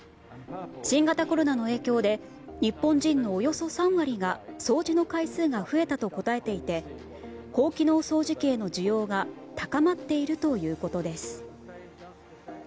新型コロナの影響で日本人のおよそ３割が掃除の回数が増えたと答えていて高機能掃除機への需要が高まっているということです。